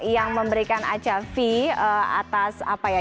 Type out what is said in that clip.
yang memberikan aca fee atas apa ya